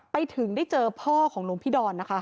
ไปถึงได้เจอพ่อของหลวงพี่ดอนนะคะ